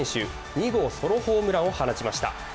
２号ソロホームランを放ちました。